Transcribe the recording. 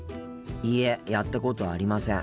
いいえやったことありません。